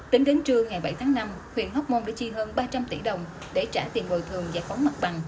tính đến trưa ngày bảy tháng năm huyện hóc môn đã chi hơn ba trăm linh tỷ đồng để trả tiền bồi thường giải phóng mặt bằng